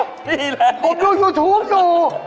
นี่แหละผมดูยูทูปอยู่